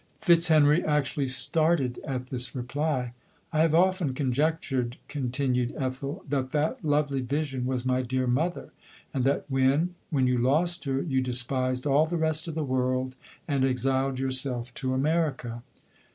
Fitzhcnry actually started at this reply. " I have often conjectured/' continued Ethel. " that that lovely vision was my dear mother : and that when — when you lost her, you de spised all the rest of the world, and exiled yourself to America."